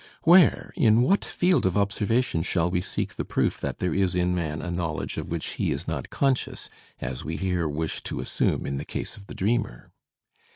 Where, in what field of observation shall we seek the proof that there is in man a knowledge of which he is not conscious, as we here wish to assume in the case of the dreamer?